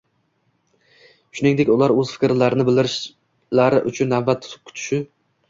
Shuningdek ularga o‘z fikrrlarini bildirishlari uchun navbat kutishni